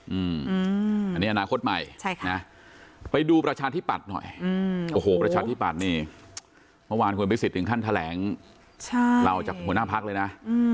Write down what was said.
อันนี้อนาคตใหม่ไปดูประชาธิปัตย์หน่อยโอ้โหประชาธิปัตย์นี่เมื่อวานคุณพิสิทธิถึงขั้นแถลงเราจากหัวหน้าพักเลยนะ